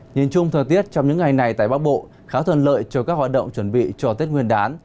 nhìn chung thời tiết trong những ngày này tại bắc bộ khá thuận lợi cho các hoạt động chuẩn bị cho tết nguyên đán